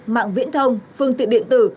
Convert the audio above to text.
mạng viễn thông phương tiện điện tử